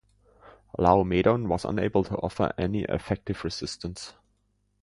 Laomedon was unable to offer any effective resistance.